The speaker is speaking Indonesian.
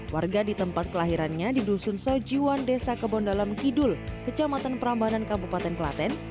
warga di tempat kelahirannya di dusun sajiwan desa kebondalam kidul kecamatan prambanan kabupaten kelaten